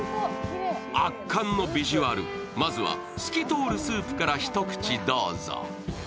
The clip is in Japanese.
圧巻のビジュアル、まずは透き通るスープからひとくちどうぞ。